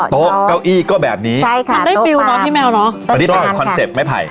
โต๊ะเก้าอี้ก็แบบนี้ใช่ค่ะแมวออกต้นตลอดค่ะคอนเซ็ปต์ไม่ผ่าย